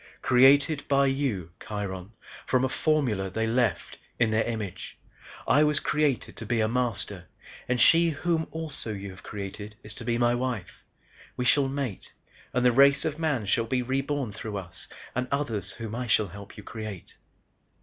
"Created, by you Kiron from a formula they left, in their image. I was created to be a Master and she whom you also have created is to be my wife. We shall mate and the race of Man shall be reborn through us and others whom I shall help you create."